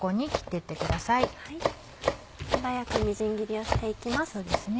手早くみじん切りをして行きます。